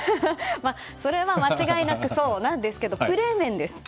それは間違いなくそうなんですけどプレー面です。